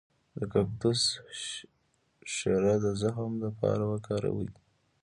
د کاکتوس شیره د زخم لپاره وکاروئ